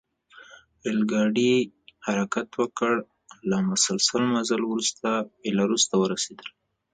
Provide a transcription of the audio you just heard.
ریل ګاډي حرکت وکړ او له مسلسل مزل وروسته بیلاروس ته ورسېدل